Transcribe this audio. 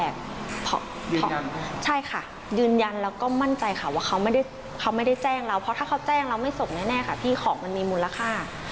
การก็เสี่ยวความรู้สึกเนอะ